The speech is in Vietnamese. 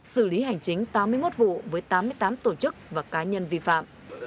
xử lý hành chính tám mươi một vụ với tám mươi tám tổ chức và cá nhân vi phạm